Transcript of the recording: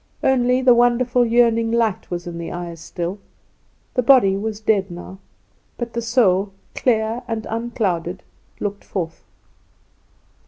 Only the wonderful yearning light was in the eyes still. The body was dead now, but the soul, clear and unclouded, looked forth.